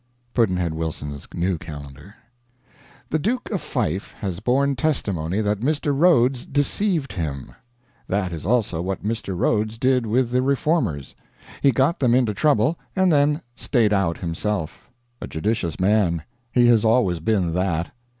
Pudd'nhead Wilson's New Calendar. The Duke of Fife has borne testimony that Mr. Rhodes deceived him. That is also what Mr. Rhodes did with the Reformers. He got them into trouble, and then stayed out himself. A judicious man. He has always been that.